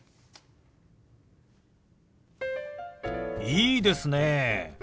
いいですね。